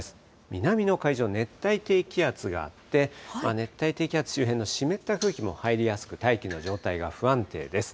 南の海上、熱帯低気圧があって、熱帯低気圧周辺の湿った空気も入りやすく、大気の状態が不安定です。